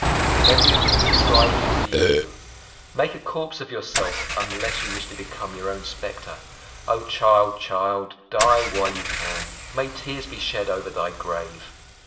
The memory of the good drives you to the evil; make a corpse of yourself unless you wish to become your own specter. O child, child! die while you can! May tears be shed over thy grave!"